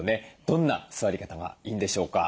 どんな座り方がいいんでしょうか？